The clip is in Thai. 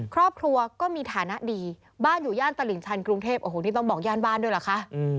ครอบครัวก็มีฐานะดีบ้านอยู่ย่านตลิ่งชันกรุงเทพโอ้โหนี่ต้องบอกย่านบ้านด้วยเหรอคะ